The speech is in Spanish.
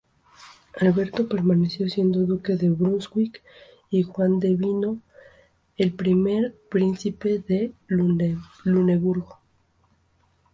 Alberto permaneció siendo duque de Brunswick y Juan devino el primer príncipe de Luneburgo.